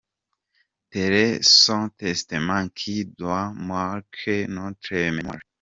Tel est son testament qui doit marquer notre mémoire!